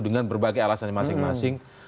dengan berbagai alasan masing masing